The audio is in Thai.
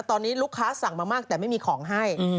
ตอนนี้ลูกค้าสั่งมามากแต่ไม่มีของให้